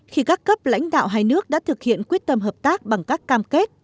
khi các cấp lãnh đạo hai nước đã thực hiện quyết tâm hợp tác bằng các cam kết